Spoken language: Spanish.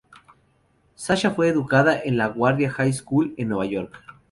Sasha fue educada en LaGuardia High School en Nueva York.